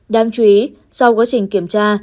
đáng chú ý sau quá trình kiểm tra